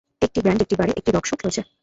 একটি ব্যান্ড একটি বারে একটি রক শো খেলছে